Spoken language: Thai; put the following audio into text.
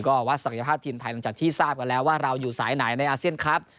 ก็วัดศักยภาพทีมไทยหลังจากที่ทราบกันแล้วว่าเราอยู่สายไหนในอาเซียนครับ